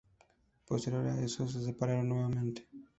Posterior a eso se separaron nuevamente.